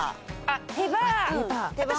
手羽！